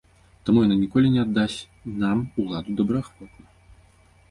Таму яна ніколі не аддасць нам уладу добраахвотна.